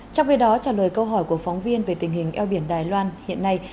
trong khi đó trả lời câu hỏi của phóng viên về tình hình eo biển đài loan hiện nay